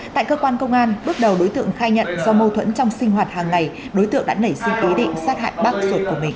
tại cơ quan công an bước đầu đối tượng khai nhận do mâu thuẫn trong sinh hoạt hàng ngày đối tượng đã nảy sinh ý định sát hại bác ruột của mình